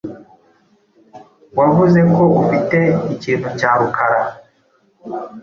Wavuze ko ufite ikintu cya Rukara .